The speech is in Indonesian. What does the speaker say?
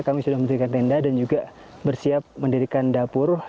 kami sudah mendirikan tenda dan juga bersiap mendirikan dapur